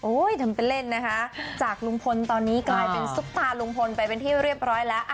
ทำเป็นเล่นนะคะจากลุงพลตอนนี้กลายเป็นซุปตาลุงพลไปเป็นที่เรียบร้อยแล้ว